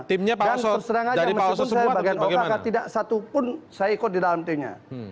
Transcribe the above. dan perserangan yang masih pun saya bagian okak tidak satu pun saya ikut di dalam timnya